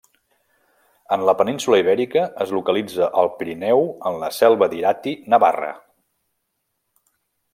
En la península Ibèrica es localitza al Pirineu en la Selva d'Irati, Navarra.